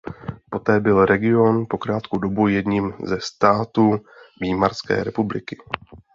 Poté byl region po krátkou dobu jedním ze států Výmarské republiky.